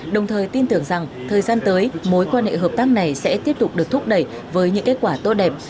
đồng thời tin tưởng rằng thời gian tới mối quan hệ hợp tác này sẽ tiếp tục được thúc đẩy với những kết quả tốt đẹp